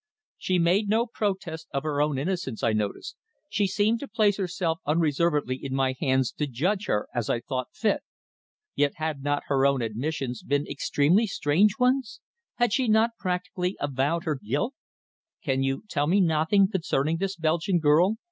She made no protest of her own innocence, I noticed. She seemed to place herself unreservedly in my hands to judge her as I thought fit. Yet had not her own admissions been extremely strange ones. Had she not practically avowed her guilt? "Can you tell me nothing concerning this Belgian girl?"